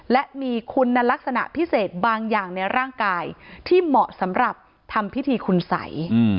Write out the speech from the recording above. และมีคุณลักษณะพิเศษบางอย่างในร่างกายที่เหมาะสำหรับทำพิธีคุณสัย